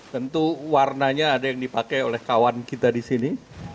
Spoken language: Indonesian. tentu warnanya ada yang dipakai oleh kawan kita di sini